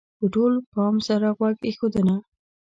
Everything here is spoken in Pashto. -په ټول پام سره غوږ ایښودنه: